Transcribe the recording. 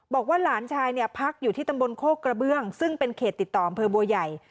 บอกว่าหลานชายเนี่ยพักอยู่ที่ตำบลโคกกระเบื้องซึ่งเป็นเขตติดต่ออำเภอบัวใหญ่